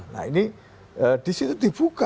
nah ini disitu dibuka